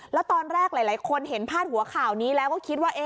แล้วตอนแรกหลายคนเห็นพาดหัวข่าวนี้แล้วก็คิดว่า